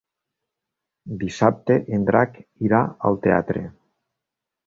Dissabte en Drac irà al teatre.